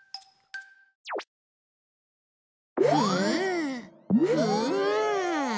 ふっふっ。